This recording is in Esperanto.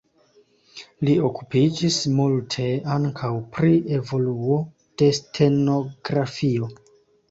Li okupiĝis multe ankaŭ pri evoluo de stenografio.